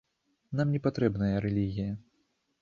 Нам не патрэбная рэлігія.